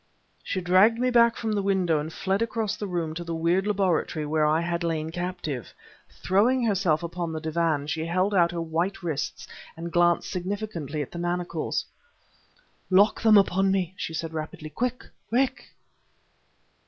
She dragged me back from the window and fled across the room to the weird laboratory where I had lain captive. Throwing herself upon the divan, she held out her white wrists and glanced significantly at the manacles. "Lock them upon me!" she said, rapidly. "Quick! quick!"